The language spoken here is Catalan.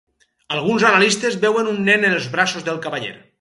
Alguns analistes veuen un nen en els braços del cavaller.